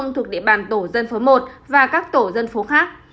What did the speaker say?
thuộc địa bàn tổ dân phố một và các tổ dân phố khác